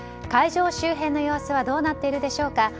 会場周辺の様子はどうなっているでしょうか。